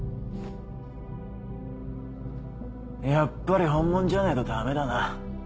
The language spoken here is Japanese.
やっぱり本物じゃねえとダメだな。